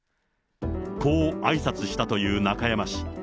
こうあいさつしたという中山氏。